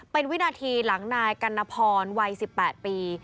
เป็นวินาทีหลังนายกัณฑรวัย๑๘ปี